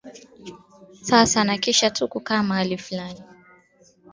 sasa na kisha tu kukaa mahali fulani